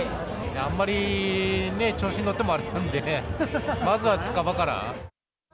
あんまり調子に乗ってもあれなので、まずは近場から。